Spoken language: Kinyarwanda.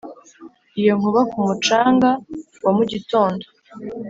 iyo nkuba ku mucanga wa mu gitondo.